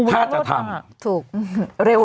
ภาษาธรรม